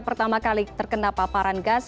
pertama kali terkena paparan gas